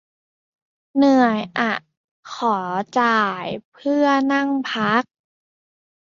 เหนื่อยอะ ขอจ่ายเพื่อนั่งพัก